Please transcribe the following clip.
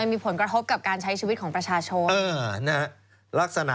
มีผลกระทบกับการใช้ชีวิตของประชาชนลักษณะ